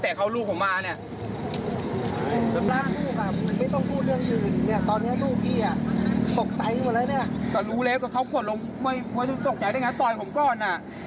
แต่รู้เลยกับเขาก็ขวดลงอยู่นี่ตกใจได้ไงตอบผมก้อน